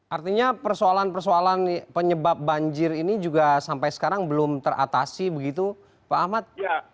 artinya persoalan persoalan penyebab banjir ini juga sampai sekarang belum teratasi begitu pak ahmad